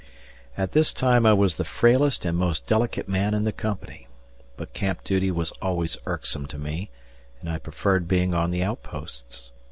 At this time I was the frailest and most delicate man in the company, but camp duty was always irksome to me, and I preferred being on the outposts.